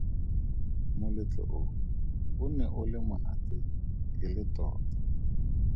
Moletlo o, o ne o le monate e le tota!